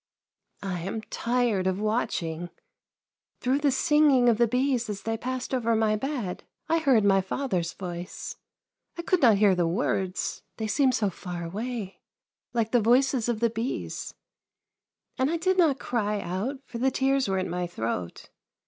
" I am tired of watching. Through the singing of the bees as they passed over my bed, I heard my father's 332 THE LANE THAT HAD NO TURNING voice. I could not hear the words, they seemed so far away, Hke the voices of the bees ; and I did not cry out, for the tears were in my throat.